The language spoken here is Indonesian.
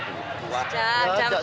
sudah jam sembilan malam